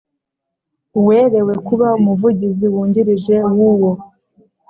Uwerewe kuba Umuvugizi Wungirije w uwo